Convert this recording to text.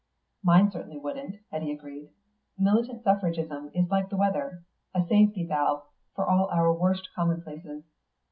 "Mine certainly wouldn't," Eddy agreed. "Militant suffragism is like the weather, a safety valve for all our worst commonplaces.